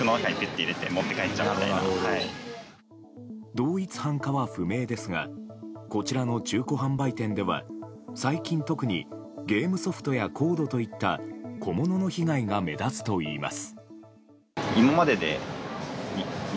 同一犯かは不明ですがこちらの中古販売店では最近、特にゲームソフトやコードといった小物の被害が目立つといいます。